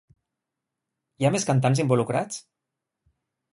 Hi ha més cantants involucrats?